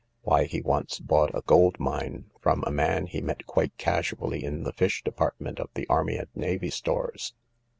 Why, he once bought a gold mine from a man he met quite casually in the fish department of the Army and Navy Stores."